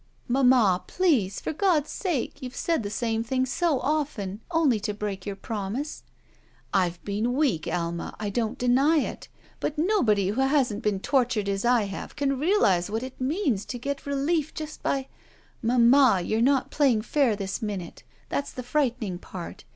"Mamma, please! For God's sake, you've said the same thing so often, only to break your promise." "I've been weak. Alma; I don't deny it. But 26 SHE WALKS IN BEAUTY nobody who hasn't been tortured as I have can realize what it means to get relief just by —" "Mamma, you're not playing utir thLs minute.* That's the frightening part.